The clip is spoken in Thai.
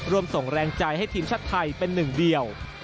ร่วมส่งแรงใจให้ทีมชาติไทยเป็นหนึ่งเดียว